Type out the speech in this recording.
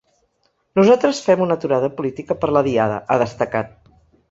Nosaltres fem una aturada política per la diada, ha destacat.